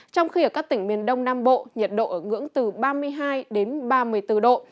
trong khi ở các tỉnh miền đông nam bộ nhiệt độ ở ngưỡng từ ba mươi hai đến ba mươi bốn độ